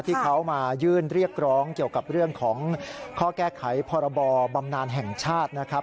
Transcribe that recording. ที่เขามายื่นเรียกร้องเกี่ยวกับเรื่องของข้อแก้ไขพรบบำนานแห่งชาตินะครับ